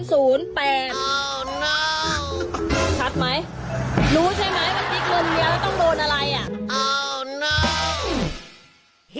รู้ใช่ไหมว่ายิงครึ่งเดี่ยวแล้วต้องโดนอะไร